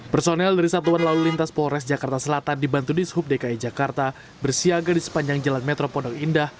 personel dari satuan lalu lintas polres jakarta selatan dibantu di sub dki jakarta bersiaga di sepanjang jalan metro pondok indah